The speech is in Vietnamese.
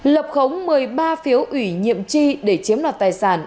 lập khống một mươi ba phiếu ủy nhiệm tri để chiếm đoạt tài sản